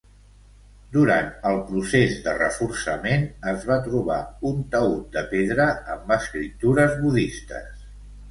Durant el procés de reforçament, es va trobar un taüt de pedra amb escriptures budistes.